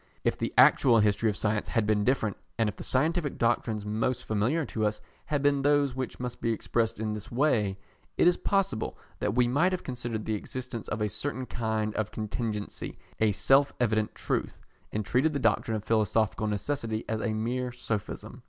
If the actual history of Science had been different, and if the scientific doctrines most familiar to us had been those which must be expressed in this way, it is possible that we might have considered the existence of a certain kind of contingency a self evident truth, and treated the doctrine of philosophical necessity as a mere sophism.